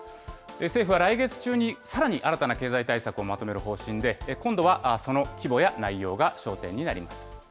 政府は来月中にさらに新たな経済対策をまとめる方針で、今度はその規模や内容が焦点になります。